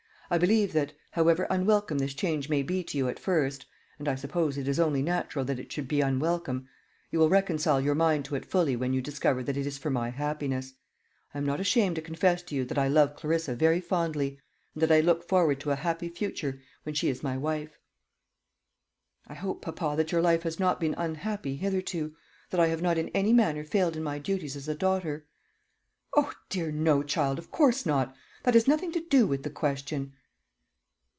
"I believe that, however unwelcome this change may be to you at first and I suppose it is only natural that it should be unwelcome you will reconcile your mind to it fully when you discover that it is for my happiness. I am not ashamed to confess to you that I love Clarissa very fondly, and that I look forward to a happy future when she is my wife." "I hope, papa, that your life has not been unhappy hitherto that I have not in any manner failed in my duties as a daughter." "Oh, dear no, child; of course not. That has nothing to do with the question."